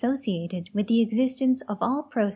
sociated with the existence of all proce.